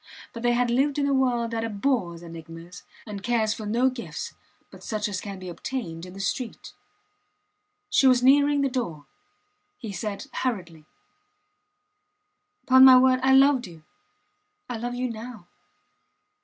But they had lived in a world that abhors enigmas, and cares for no gifts but such as can be obtained in the street. She was nearing the door. He said hurriedly: Pon my word, I loved you I love you now.